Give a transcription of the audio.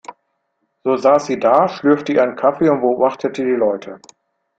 So saß sie da, schlürfte ihren Kaffee und beobachtete die Leute.